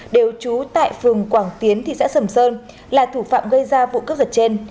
đều trú tại phường quảng tiến thị xã sầm sơn là thủ phạm gây ra vụ cướp giật trên